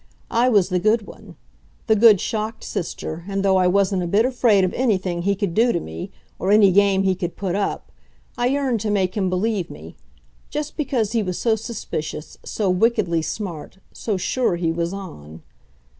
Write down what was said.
I was the good one the good, shocked sister, and though I wasn't a bit afraid of anything he could do to me, or any game he could put up, I yearned to make him believe me just because he was so suspicious, so wickedly smart, so sure he was on.